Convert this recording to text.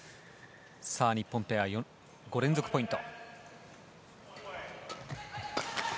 日本ペア、５連続ポイント。